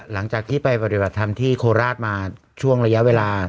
หลังจากที่ไปปฏิบัติธรรมที่โคราชมาช่วงระยะเวลา